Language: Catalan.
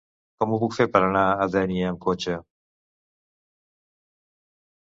Com ho puc fer per anar a Dénia amb cotxe?